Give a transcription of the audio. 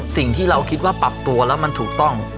สิ่งที่เราคิดว่าปรับตัวแล้วมันถูกต้อง